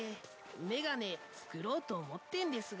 眼鏡作ろうと思ってんですが。